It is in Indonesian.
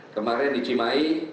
kemarin di cimai